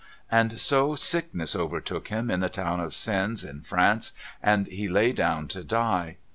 And so sickness overtook him in the town of Sens in France, and he lay down to die.